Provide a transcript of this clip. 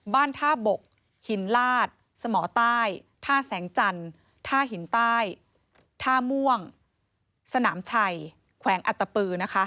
บ้านท่าบกหินลาดสมอใต้ท่าแสงจันทร์ท่าหินใต้ท่าม่วงสนามชัยแขวงอัตตปือนะคะ